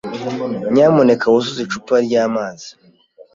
Nyamuneka wuzuze icupa ryamazi.